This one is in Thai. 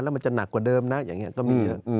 แล้วมันจะหนักกว่าเดิมนะอย่างนี้ก็มีเยอะ